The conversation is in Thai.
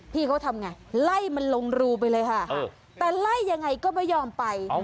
พี่เขาทำไงไล่มันลงรูไปเลยค่ะแต่ไล่ยังไงก็ไม่ยอมไป